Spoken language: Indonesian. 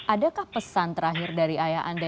adakah pesan terakhir dari ayah anda